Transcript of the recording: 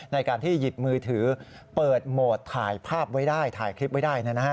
ในการที่หยิบมือถือเปิดโหมดถ่ายภาพไว้ได้ถ่ายคลิปไว้ได้